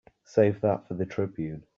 Save that for the Tribune.